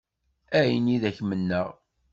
Ayen i d ak-mennaɣ.